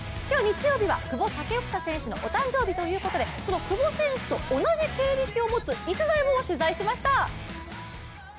今日日曜日は、久保建英選手のお誕生日ということでその久保選手と同じ経歴を持つ逸材を取材しました。